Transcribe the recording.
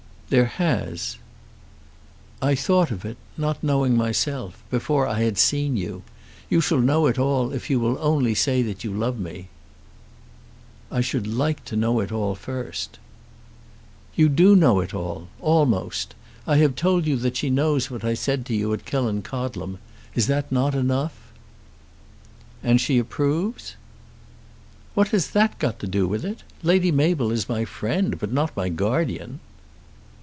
"There has!" "I thought of it, not knowing myself; before I had seen you. You shall know it all if you will only say that you love me." "I should like to know it all first." "You do know it all; almost. I have told you that she knows what I said to you at Killancodlem. Is not that enough?" "And she approves!" "What has that to do with it? Lady Mabel is my friend, but not my guardian."